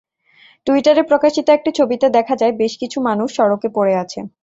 টুইটারে প্রকাশিত একটি ছবিতে দেখা যায়, বেশ কিছু মানুষ সড়কে পড়ে আছে।